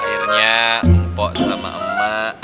akhirnya empok sama emak